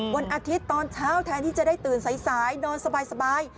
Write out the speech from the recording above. วันอาทิตย์ตอนเช้าแทนที่จะได้ตื่นสายนอนสบาย